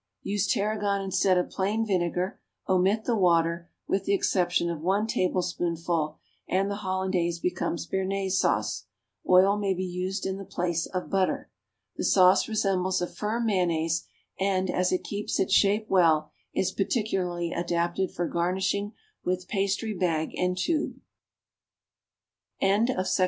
= Use tarragon instead of plain vinegar, omit the water, with the exception of one tablespoonful, and the hollandaise becomes bernaise sauce. Oil may be used in the place of butter. The sauce resembles a firm mayonnaise, and, as it keeps its shape well, is particularly adapted for garnishing with pastry bag and tube. [Illustration: Cucumber Salad for Fish Course.